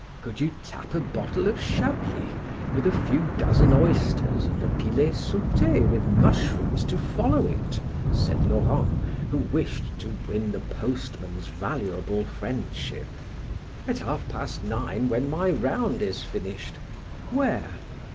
"Could you tap a bottle of Chablis, with a few dozen oysters, and a filet saute with mushrooms to follow it?" said Laurent, who wished to win the postman's valuable friendship. "At half past nine, when my round is finished Where?"